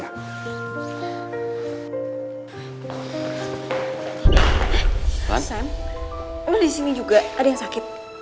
sam lo disini juga ada yang sakit